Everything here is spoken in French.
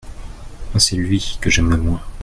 C’est lui que j’aime le moins.